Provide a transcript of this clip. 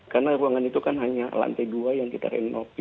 karena ruangan itu kan hanya lantai dua yang kita renov itu